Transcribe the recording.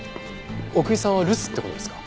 奥居さんは留守って事ですか？